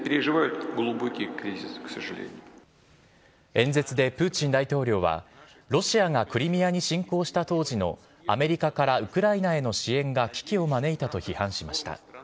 演説でプーチン大統領はロシアがクリミアに侵攻した当時のアメリカからウクライナへの支援が危機を招いたと批判しました。